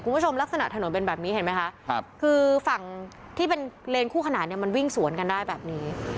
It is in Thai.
ลักษณะถนนเป็นแบบนี้เห็นไหมคะคือฝั่งที่เป็นเลนคู่ขนาดเนี่ยมันวิ่งสวนกันได้แบบนี้